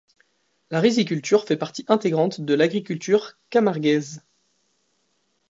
La riziculture fait partie intégrante de l'agriculture camarguaise.